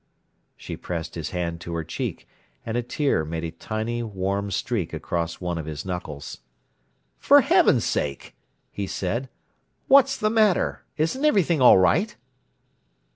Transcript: She pressed his hand to her cheek, and a tear made a tiny warm streak across one of his knuckles. "For heaven's sake!" he said. "What's the matter? Isn't everything all right?"